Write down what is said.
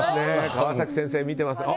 川崎先生、見てますね。